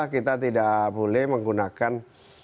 kita tidak boleh menggunakan